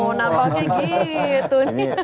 oh nampaknya gitu